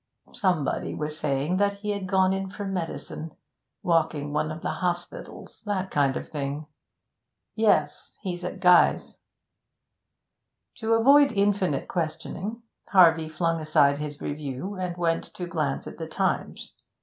'Somebody was saying that he had gone in for medicine walking one of the hospitals that kind of thing.' 'Yes, he's at Guy's.' To avoid infinite questioning, Harvey flung aside his review and went to glance at the Times.